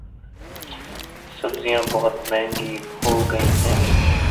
سبزیاں بہت مہنگی ہوگئی ہیں